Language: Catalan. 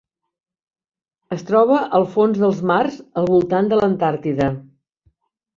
Es troba al fons dels mars al voltant de l'Antàrtida.